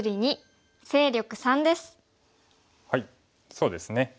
そうですね。